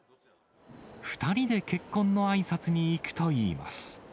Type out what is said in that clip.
２人で結婚のあいさつに行くといいます。